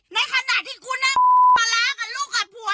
ในขณะที่คุณปลาร้ากับลูกกับผัว